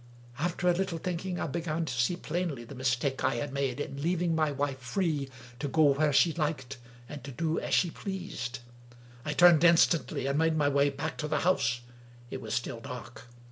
After a little thinking, I began to see plainly the mistake I had made in leaving my wife free to go where she liked and to do as she pleased. I turned instantly, and made my way back to the house. It was still dark.